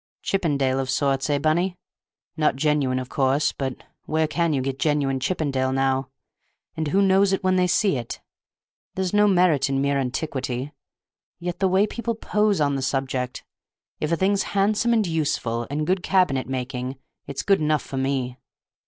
"Chippendale of sorts, eh, Bunny? Not genuine, of course; but where can you get genuine Chippendale now, and who knows it when they see it? There's no merit in mere antiquity. Yet the way people pose on the subject! If a thing's handsome and useful, and good cabinet making, it's good enough for me."